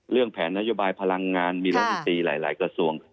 เรื่องแผนนโยบายพลังงานมีเรื่องวิธีหลายกระทรวง